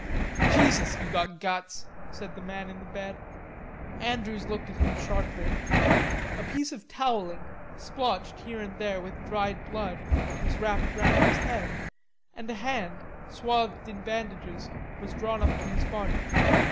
"Jesus, you got guts," said the man in the bed. Andrews looked at him sharply. A piece of towelling, splotched here and there with dried blood, was wrapped round his head, and a hand, swathed in bandages, was drawn up to his body.